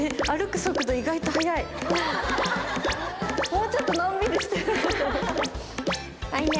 もうちょっとのんびりしてるかと思った。